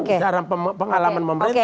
biar pengalaman pemerintah